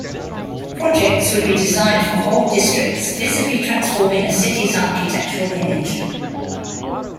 Projects would be designed for whole districts, visibly transforming a city's architectural image.